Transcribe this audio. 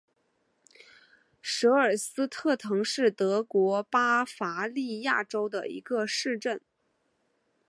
舍尔斯特滕是德国巴伐利亚州的一个市镇。